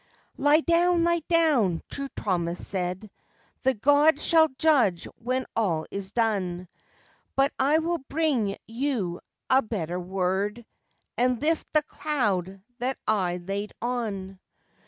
_ "Lie down, lie down," True Thomas said. "The God shall judge when all is done; But I will bring you a better word And lift the cloud that I laid on."